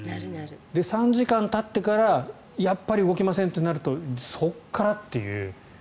３時間たってからやっぱり動きませんとなるとそこからという。